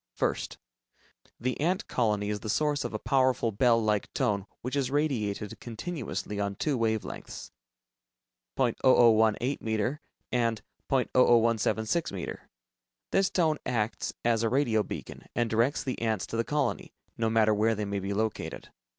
First: The ant colony is the source of a powerful bell like tone which is radiated continuously on two wave lengths, .0018 meter, and .00176 meter. This tone acts as a radio beacon, and directs the ants to the colony, no matter where they may be located.